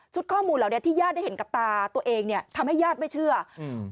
ข้อมูลเหล่านี้ที่ญาติได้เห็นกับตาตัวเองเนี้ยทำให้ญาติไม่เชื่ออืม